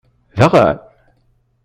Daɣen?!